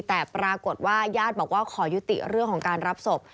แต่ปรากฏว่าญาติบอกว่าขอยุติเรื่องของการรับศพ